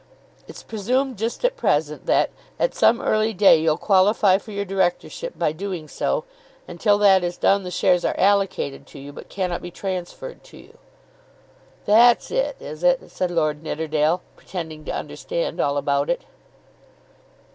It's presumed just at present that, at some early day, you'll qualify for your directorship by doing so, and till that is done, the shares are allocated to you, but cannot be transferred to you." "That's it, is it," said Lord Nidderdale, pretending to understand all about it.